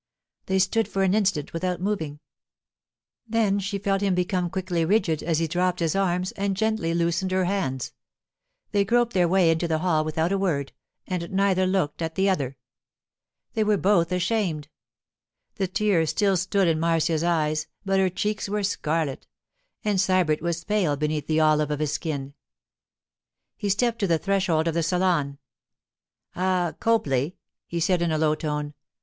They stood for an instant without moving; then she felt him become quickly rigid as he dropped his arms and gently loosened her hands. They groped their way into the hall without a word, and neither looked at the other. They were both ashamed. The tears still stood in Marcia's eyes, but her cheeks were scarlet. And Sybert was pale beneath the olive of his skin. He stepped to the threshold of the salon. 'Ah, Copley,' he said in a low tone.